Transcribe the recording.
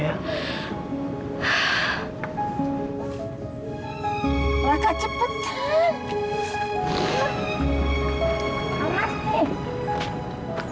ia lagi kerja